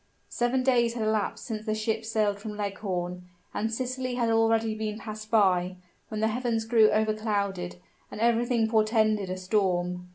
Seven days had elapsed since the ship sailed from Leghorn; and Sicily had already been passed by, when the heavens grew overclouded, and everything portended a storm.